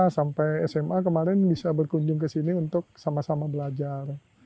sampai sma kemarin bisa berkunjung ke sini untuk sama sama belajar